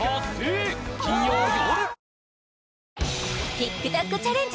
ＴｉｋＴｏｋチャレンジ